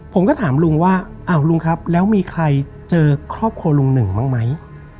ผมก็ถามลุงว่าอ้าวลุงครับแล้วมีใครเจอครอบครัวลุงหนึ่งบ้างไหม